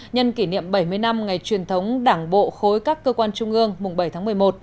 nhân kỷ niệm bảy mươi năm ngày truyền thống đảng bộ khối các cơ quan trung ương mùng bảy tháng một mươi một